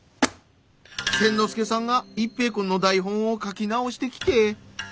千之助さんが一平君の台本を書き直してきて。